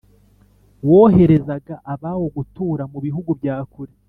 woherezaga abawo gutura mu bihugu bya kure?